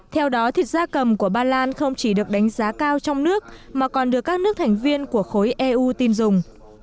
theo đó thịt da cầm của ba lan không chỉ được đánh giá cao trong nước mà còn được các nước thành viên của khối eu tin dùng